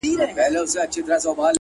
خپل ارزښتونه په عمل وښایئ